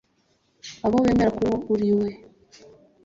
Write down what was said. abo wemera kubo uriwe